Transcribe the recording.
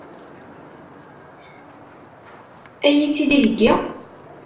Ad iyi-tt-id-iheggi?